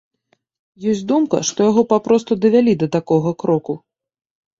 Ёсць думка, што яго папросту давялі да такога кроку.